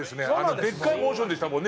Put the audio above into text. でっかいモーションでしたもんね。